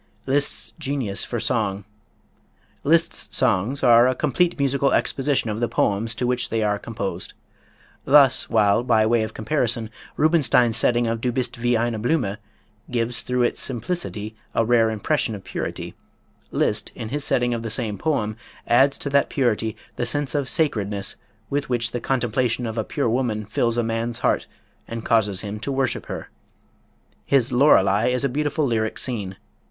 Liszt's Genius for Song. Liszt's songs are a complete musical exposition of the poems to which they are composed. Thus while, by way of comparison, Rubinstein's setting of "Du Bist wie eine Blume" gives through its simplicity a rare impression of purity, Liszt in his setting of the same poem adds to that purity the sense of sacredness with which the contemplation of a pure woman fills a man's heart and causes him to worship her. His "Lorelei" is a beautiful lyric scene.